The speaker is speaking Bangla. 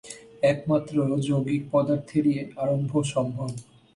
একমাত্র যৌগিক পদার্থেরই আরম্ভ সম্ভব।